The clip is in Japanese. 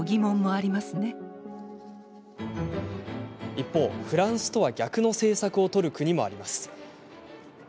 一方、フランスとは逆の政策を取る国もあります。